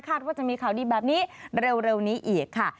ว่าจะมีข่าวดีแบบนี้เร็วนี้อีกค่ะ